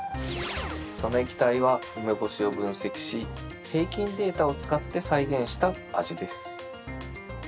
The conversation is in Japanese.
その液体は梅干しを分析し平均データを使って再現した味です。